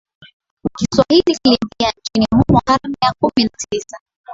Kiswahili kiliingia nchini humo karne ya kumi na tisa